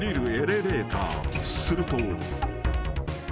［すると］